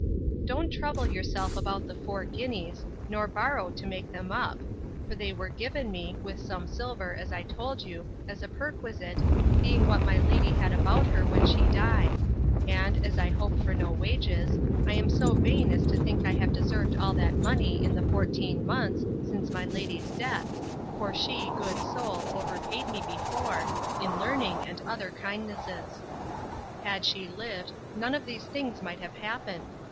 Don't trouble yourself about the four guineas, nor borrow to make them up; for they were given me, with some silver, as I told you, as a perquisite, being what my lady had about her when she died; and, as I hope for no wages, I am so vain as to think I have deserved all that money in the fourteen months, since my lady's death, for she, good soul, overpaid me before, in learning and other kindnesses. Had she lived, none of these things might have happened!